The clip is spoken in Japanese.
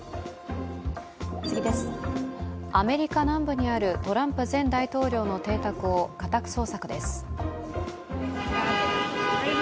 アメリカ南部にあるトランプ前大統領の邸宅を家宅捜索です。